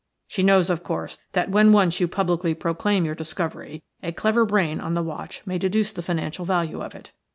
She knows, of course, that when once you publicly proclaim your discovery a clever brain on the watch may deduce the financial value of it.